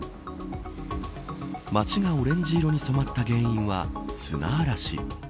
街がオレンジ色に染まった原因は砂嵐。